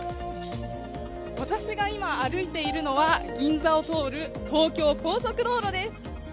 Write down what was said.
私が今、歩いているのは銀座を通る、東京高速道路です。